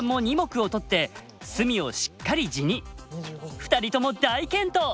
２人とも大健闘！